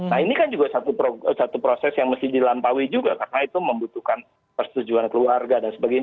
nah ini kan juga satu proses yang mesti dilampaui juga karena itu membutuhkan persetujuan keluarga dan sebagainya